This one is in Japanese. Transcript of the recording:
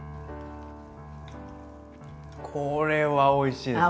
これはおいしいです。